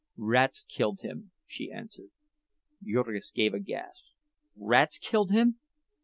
"Rats killed him," she answered. Jurgis gave a gasp. "Rats killed him!"